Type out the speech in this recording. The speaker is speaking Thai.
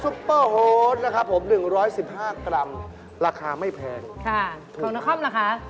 ค่ะของนครราคา